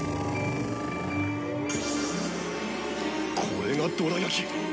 これがどら焼き！